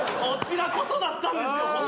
こちらこそだったんですよ